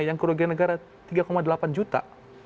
yang kerugian negara tiga delapan juta